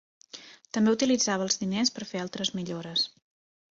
També utilitzava els diners per fer altres millores.